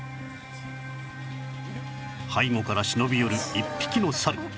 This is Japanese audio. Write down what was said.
背後から忍び寄る一匹のサル